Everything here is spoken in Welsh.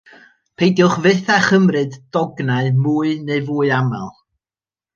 Peidiwch fyth â chymryd dognau mwy neu fwy aml